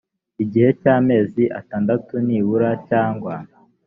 gihe cy amezi atandatu nibura cyangwa